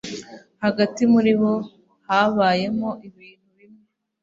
hagati muri bo habayemo ibintu bimwe